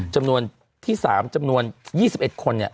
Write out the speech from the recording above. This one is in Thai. จำนวนที่๓จำนวน๒๑คน